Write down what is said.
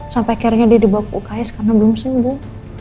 sampai akhirnya dia dibawa ke uks karena belum sembuh